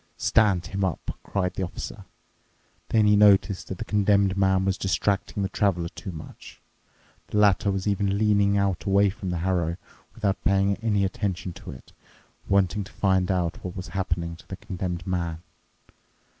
"Stand him up," cried the Officer. Then he noticed that the Condemned Man was distracting the Traveler too much. The latter was even leaning out away from the harrow, without paying any attention to it, wanting to find out what was happening to the Condemned Man.